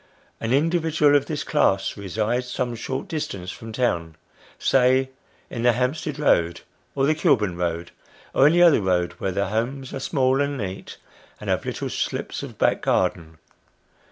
An individual of this class, resides some short distance from town say in the Hampstead Road, or the Kilburn Road, or any other road where the houses are small and neat, and The Light of Life. 69 have little slips of back garden.